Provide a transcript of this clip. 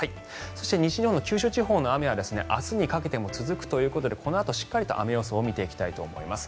そして西日本の九州地方の雨は明日にかけても続くということでこのあとしっかりと雨予想を見ていきたいと思います。